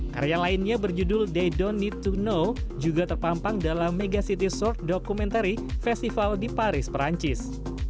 karya lainnya berjudul they don't need to know juga terpampang dalam megacity short documentary festival di paris perancis